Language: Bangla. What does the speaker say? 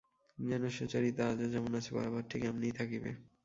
যেন সুচরিতা আজও যেমন আছে বরাবর ঠিক এমনিই থাকিবে।